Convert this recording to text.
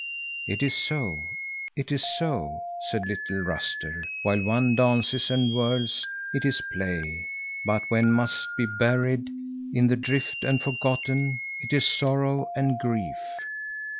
"It is so, it is so," said little Ruster; "while one dances and whirls it is play, but when one must be buried in the drift and forgotten, it is sorrow and grief."